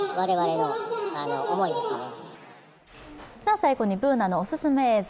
最後のＢｏｏｎａのお勧め映像。